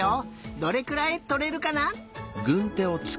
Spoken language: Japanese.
どれくらいとれるかな？